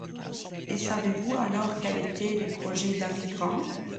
Et savez-vous alors quels étaient les projets d’Harry Grant?